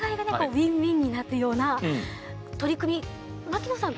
ウィンウィンになるような取り組み槙野さん